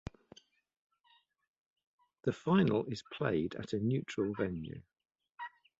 The final is played at a neutral venue.